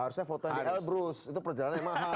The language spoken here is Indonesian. harusnya foto yang di elbrus itu perjalanannya mahal